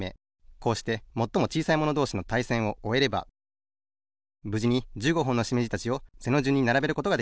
こうしてもっともちいさいものどうしのたいせんをおえればぶじに１５ほんのしめじたちを背のじゅんにならべることができました。